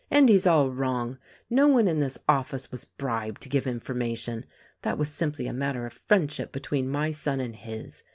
Endy's all wrong! No one in this office was bribed to give information — that was simply a matter of friendship between my son and his.